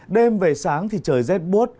đêm về sáng thì trời rét bốt